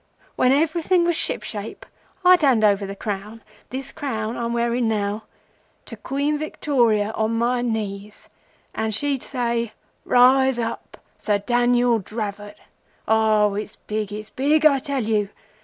When everything was ship shape, I'd hand over the crown—this crown I'm wearing now—to Queen Victoria on my knees, and she'd say:—"Rise up, Sir Daniel Dravot." Oh, its big! It's big, I tell you!